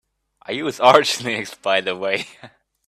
I use Arch Linux by the way.